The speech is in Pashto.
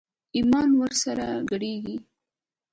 ايمان ور سره ګډېږي.